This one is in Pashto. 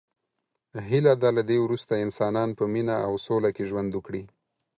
هیله ده له دی وروسته انسانان په مینه او سوله کې ژوند وکړي.